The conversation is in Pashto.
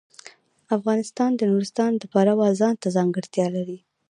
افغانستان د نورستان د پلوه ځانته ځانګړتیا لري.